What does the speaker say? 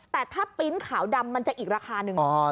แต่ถ้าปริ้นต์ขาวดำมันจะอีกราคาหนึ่ง